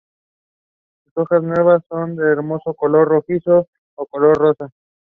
Las hojas nuevas son un hermoso color rojizo o color de rosa.